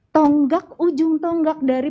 tonggak ujung tonggak dari